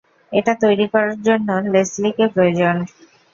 এটা তৈরী করার জন্য লেসলিকে প্রয়োজন।